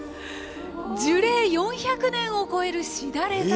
樹齢４００年を超えるしだれ桜。